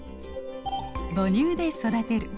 「母乳で育てる」。